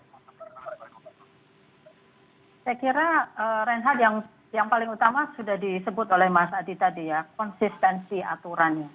saya kira reinhard yang paling utama sudah disebut oleh mas adi tadi ya konsistensi aturannya